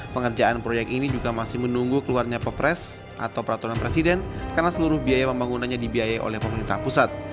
pengerjaan proyek ini juga masih menunggu keluarnya pepres atau peraturan presiden karena seluruh biaya pembangunannya dibiayai oleh pemerintah pusat